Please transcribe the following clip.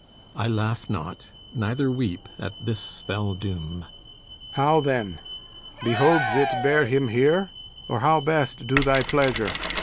I laugh not, neither weep, at this fell doom. HENCHMAN How then? Behoves it bear him here, or how Best do thy pleasure?